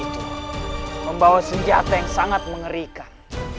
pemuda itu membawa senjata yang sangat mengerikan